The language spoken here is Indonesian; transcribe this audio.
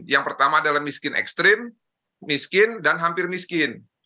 yang pertama adalah miskin ekstrim miskin dan hampir miskin